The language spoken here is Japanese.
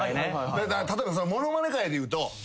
例えば物まね界で言うと。